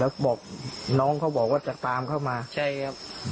แล้วบอกน้องเขาบอกว่าจะตามเข้ามาใช่ครับ